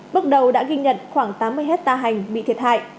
bước đầu đã ghi nhận khoảng tám mươi hectare hành bị thiệt hại